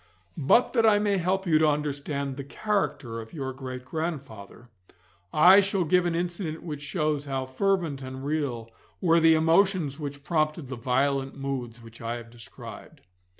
But that I may help you to understand the character of your great grandfather, I shall give an incident which shows how fervent and real were the emotions which prompted the violent moods which I have described.